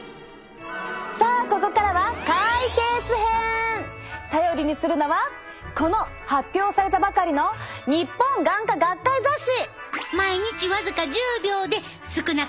さあここからは頼りにするのはこの発表されたばかりの日本眼科学会雑誌！